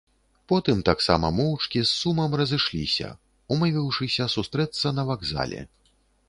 Потым таксама моўчкі з сумам разышліся, умовіўшыся сустрэцца на вакзале.